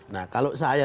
nah kalau saya